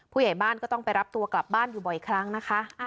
ผู้ใหญ่บ้านก็ต้องไปรับตัวกลับบ้านอยู่บ่อยครั้งนะคะ